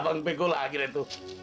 bang bego lah akhirnya tuh